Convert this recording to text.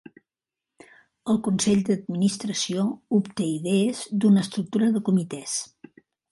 El Consell d'Administració obté idees d'una estructura de comitès.